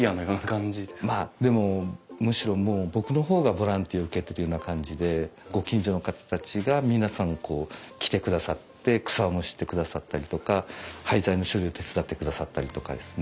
でもむしろもう僕の方がボランティアを受けてるような感じでご近所の方たちが皆さん来てくださって草をむしってくださったりとか廃材の処理を手伝ってくださったりとかですね。